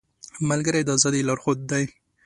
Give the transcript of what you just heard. ملګری د ازادۍ لارښود دی